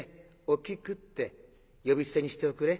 お菊って呼び捨てにしておくれ」。